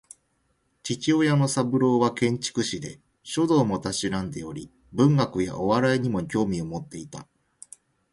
父親の三郎は建築士で、書道も嗜んでおり文学やお笑いにも興味を持っていた